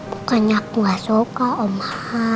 bukannya aku gak suka oma